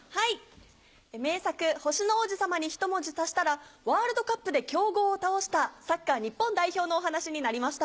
名作『星の王子さま』にひと文字足したらワールドカップで強豪を倒したサッカー日本代表のお話になりました。